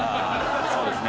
そうですね。